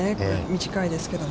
短いですけれども。